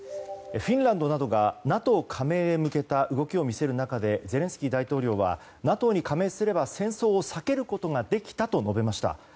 フィンランドなどがＮＡＴＯ加盟へ向けた動きを見せる中でゼレンスキー大統領はＮＡＴＯに加盟すれば戦争を避けることができたと述べました。